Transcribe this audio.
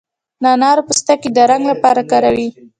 د انارو پوستکي د رنګ لپاره کاروي.